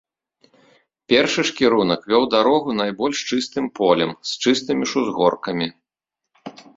Першы ж кірунак вёў дарогу найбольш чыстым полем, з чыстымі ж узгоркамі.